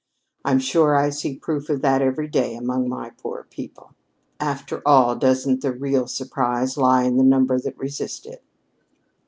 I'm sure I see proof of that every day among my poor people. After all, doesn't the real surprise lie in the number that resist it?"